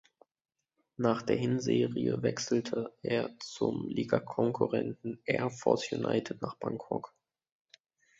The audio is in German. Nach der Hinserie wechselte er zum Ligakonkurrenten Air Force United nach Bangkok.